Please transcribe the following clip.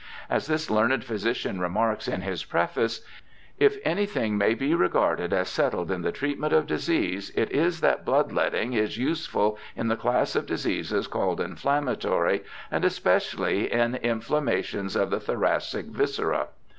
As this learned physician remarks in his preface, ' If anything may be regarded as settled in the treatment of disease, it is that blood letting is useful in the class of diseases called inflammatory, and especially in inflammations of the thoracic viscera.'